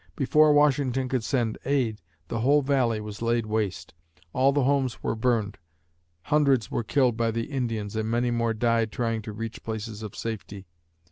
Before Washington could send aid, the whole Valley was laid waste. All the homes were burned. Hundreds were killed by the Indians and many more died trying to reach places of safety.